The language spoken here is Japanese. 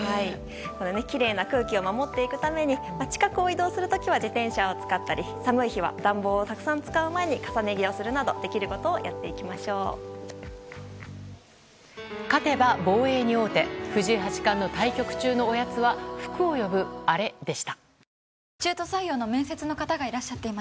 きれいな空気を守っていくために近くを移動する時は自転車を使ったり寒い日は暖房をたくさん使う前に重ね着をするなどジューうんどうだわシャキシャキできるなわたし！